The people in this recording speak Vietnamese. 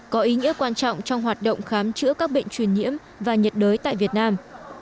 có ý nghĩa quan trọng trong hoạt động khám chữa các bệnh truyền nhiễm và nhiệt đới tại việt nam